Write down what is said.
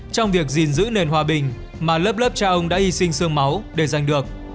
trong việc gìn giữ nền hòa bình mà lớp lớp cha ông đã hy sinh sương máu để giành được